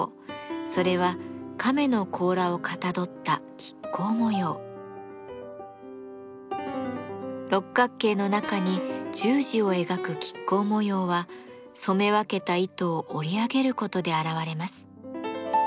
それは亀の甲羅をかたどった六角形の中に十字を描く亀甲模様は染め分けた糸を織り上げることで現れます。